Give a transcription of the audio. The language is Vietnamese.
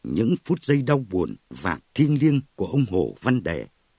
những phút giây đau buồn và thiêng liêng của ông hồ văn đẻ